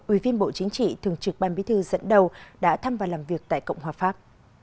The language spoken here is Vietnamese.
ủy viên bộ chính trị thường trực ban bí thư dẫn đầu đã thăm và làm việc tại cộng hòa pháp